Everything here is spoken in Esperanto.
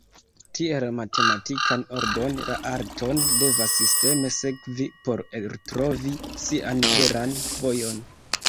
Tiel la matematikan ordon la artoj devas sisteme sekvi por eltrovi sian veran vojon.